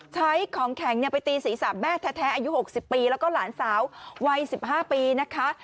ใช้ของแข็งเนี่ยไปตีศรีสาบแม่แท้อายุหกสิบปีแล้วก็หลานสาววัยสิบห้าปีนะคะ